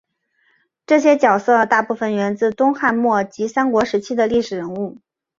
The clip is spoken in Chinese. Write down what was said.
这些角色大部份源自东汉末及三国时期的历史人物。